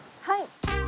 はい。